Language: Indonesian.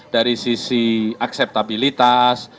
dari sisi akseptabilitas